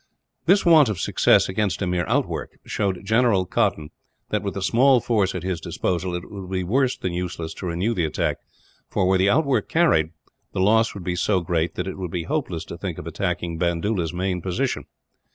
This want of success, against a mere outwork, showed General Cotton that with the small force at his disposal it would be worse than useless to renew the attack for, were the outwork carried, the loss would be so great that it would be hopeless to think of attacking Bandoola's main position.